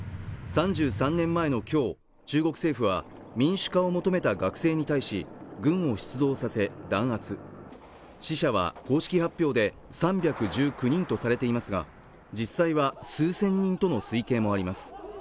３３年前の今日中国政府は民主化を求めた学生に対し軍を出動させ弾圧死者は公式発表で３１９人とされていますが実際は数千人との推計もあります